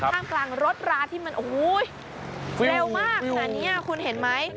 ท่ามกลางรถราที่มันโอ้โหเร็วมากขนาดนี้คุณเห็นไหม